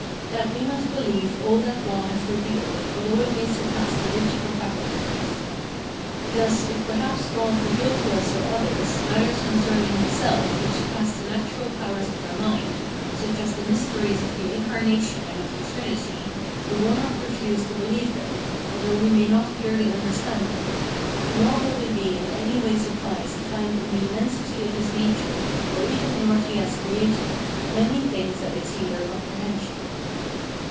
That we must believe all that God has revealed, although it may surpass the reach of our faculties. Thus, if perhaps God reveal to us or others, matters concerning himself which surpass the natural powers of our mind, such as the mysteries of the incarnation and of the trinity, we will not refuse to believe them, although we may not clearly understand them; nor will we be in any way surprised to find in the immensity of his nature, or even in what he has created, many things that exceed our comprehension.